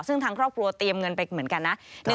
ซึ่งทางครอบครัวเตรียมเงินไปเหมือนกันนะ